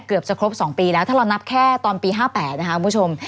เกือบจะครบ๒ปีแล้วถ้าเรานับแค่ตอนปี๕๘นะคะคุณผู้ชม